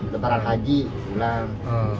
lebaran haji pulang